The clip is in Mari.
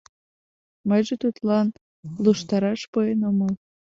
Мыйже тудлан луштараш пуэн омыл.